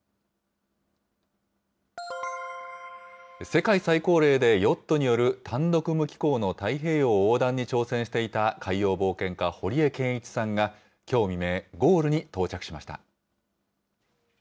世界最高齢で、ヨットによる単独無寄港の太平洋横断に挑戦していた海洋冒険家、堀江謙一さんがきょう未明、ゴールに到着しました。